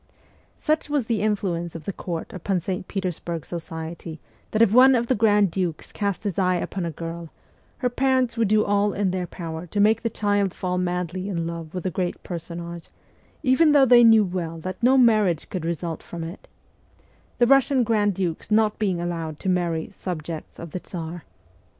Such was the influence of the Court upon St. Petersburg society that if one of the grand dukes cast his eye upon a girl, her parents would do all in their power to make their child fall madly in love with the great personage, even though they knew well that no marriage could result from it the Russian grand dukes not being allowed to marry ' subjects ' of the Tsar.